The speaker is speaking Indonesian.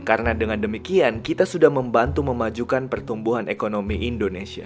karena dengan demikian kita sudah membantu memajukan pertumbuhan ekonomi indonesia